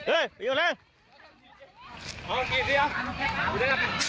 เออเดี๋ยวเร็ว